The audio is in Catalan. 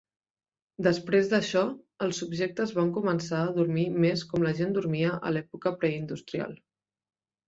Després d'això, els subjectes van començar a dormir més com la gent dormia a l'època preindustrial.